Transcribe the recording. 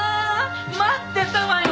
待ってたわよ